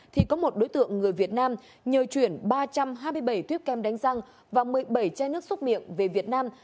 thì có một đối tượng người việt nam nhờ chuyển ba trăm hai mươi bảy tuyết kem đánh răng và một mươi bảy chai nước xúc miệng về việt nam